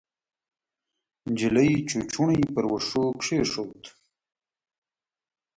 نجلۍ چوچوڼی پر وښو کېښود.